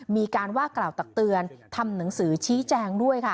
มีการว่ากล่าวตักเตือนทำหนังสือชี้แจงด้วยค่ะ